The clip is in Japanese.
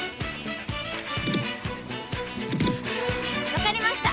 分かりました。